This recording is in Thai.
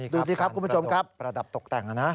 ดูสิครับคุณผู้ชมครับประดับตกแต่งนะ